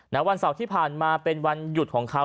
วันเสาร์ที่ผ่านมาเป็นวันหยุดของเขา